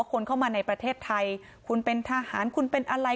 คนเข้ามาในประเทศไทยคุณเป็นทหารคุณเป็นอะไร